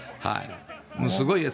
すごいです。